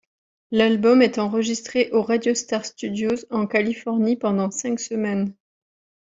L'album est enregistré aux Radiostar Studios en Californie pendant cinq semaines.